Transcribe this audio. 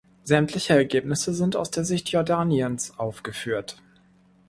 Sämtliche Ergebnisse sind aus der Sicht Jordaniens aufgeführt.